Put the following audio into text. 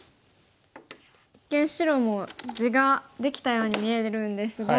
一見白も地ができたように見えるんですが。